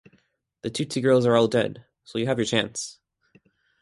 The Tutsi girls are all dead, so you have your chance.